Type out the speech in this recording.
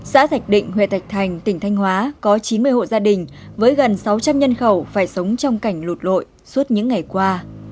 xã thạch định huyện thạch thành tỉnh thanh hóa có chín mươi hộ gia đình với gần sáu trăm linh nhân khẩu phải sống trong cảnh lụt lội suốt những ngày qua